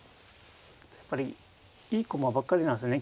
やっぱりいい駒ばっかりなんですよね